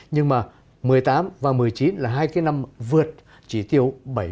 nhưng mà hai nghìn một mươi tám và hai nghìn một mươi chín là hai cái năm vượt chỉ tiêu bảy